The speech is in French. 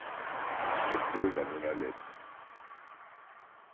Épreuve avant la lettre.